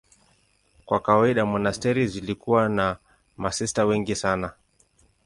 Kwa kawaida monasteri zilikuwa na masista wengi sana.